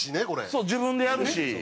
そう自分でやるし。